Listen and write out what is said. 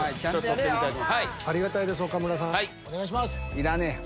いらねえよ。